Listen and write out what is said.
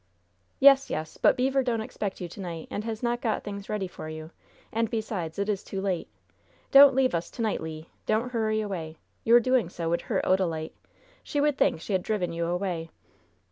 "Yes, yes; but Beever don't expect you to night and has not got things ready for you; and besides it is too late. Don't leave us to night, Le. Don't hurry away! Your doing so would hurt Odalite. She would think she had driven you away."